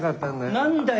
何だよ